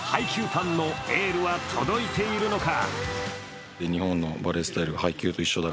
ファンのエールは届いているのか？